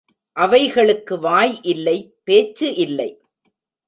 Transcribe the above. அவைகளுக்கு வாய் இல்லை பேச்சு இல்லை.